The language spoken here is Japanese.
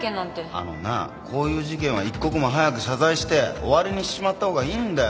あのなこういう事件は一刻も早く謝罪して終わりにしちまったほうがいいんだよ。